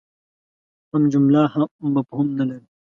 هم جمله مفهوم نه لري.